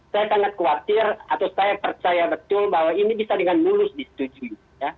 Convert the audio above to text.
saya sangat khawatir atau saya percaya betul bahwa ini bisa dengan mulus disetujui